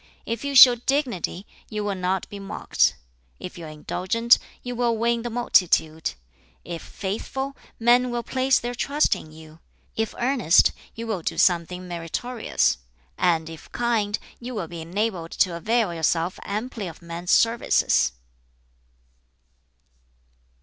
If you show dignity you will not be mocked; if you are indulgent you will win the multitude; if faithful, men will place their trust in you; if earnest, you will do something meritorious; and if kind, you will be enabled to avail yourself amply of men's services."